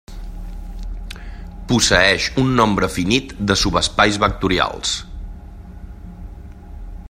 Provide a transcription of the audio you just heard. Posseeix un nombre finit de subespais vectorials.